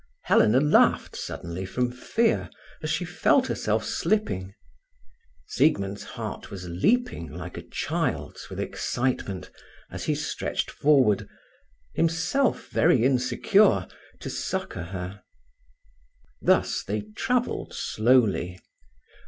Helena laughed suddenly from fear as she felt herself slipping. Siegmund's heart was leaping like a child's with excitement as he stretched forward, himself very insecure, to succour her. Thus they travelled slowly.